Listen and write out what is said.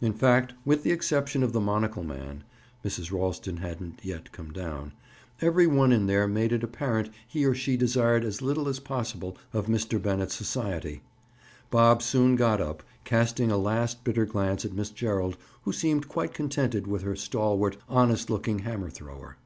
In fact, with the exception of the monocle man (Mrs. Ralston hadn't yet come down), every one in there made it apparent he or she desired as little as possible of Mr. Bennett's society. Bob soon got up, casting a last bitter glance at Miss Gerald who seemed quite contented with her stalwart, honest looking hammer thrower.